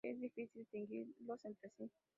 Es difícil distinguirlos entre sí.